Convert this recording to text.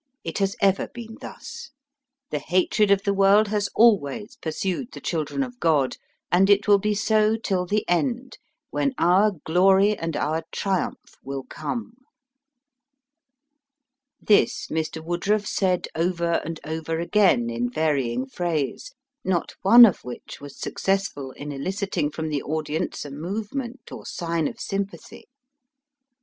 It has ever been thus. The hatred of the world has always pursued the children of God, and it will be so till the end, when our glory and our triumph will come." This Mr. Woodruff said over and over again in varying phrase, not one of which was successful in eliciting from the audience a movement or sign of sympathy.